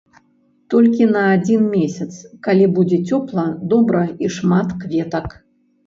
Толькі на адзін месяц, калі будзе цёпла, добра і шмат кветак.